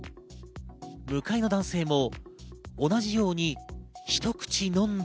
向かいの男性も同じようにひと口飲んで。